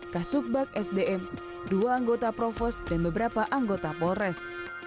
kasubak sdm dua anggota provos dan beberapa anggota polres